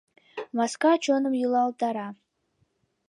Маска чоным йӱлалтара.